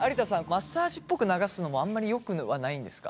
マッサージっぽく流すのもあんまりよくはないんですか？